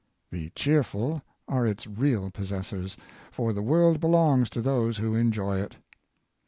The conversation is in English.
The cheerful are its real pos sessors, for the world belongs to those who enjoy it.